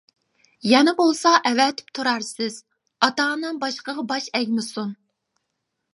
يەنە بولسا ئەۋەتىپ تۇرارسىز. ئاتا-ئانام باشقىغا باش ئەگمىسۇن.